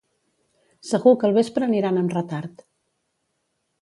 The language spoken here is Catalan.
Segur que al vespre aniran amb retard